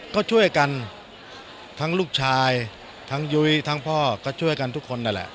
ก็ช่วยกันทั้งลูกชายทั้งยุ้ยทั้งพ่อก็ช่วยกันทุกคนนั่นแหละ